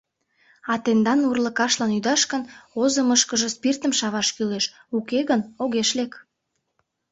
А тендан урлыкашлан ӱдаш гын, озымышкыжо спиртым шаваш кӱлеш, уке гын — огеш лек.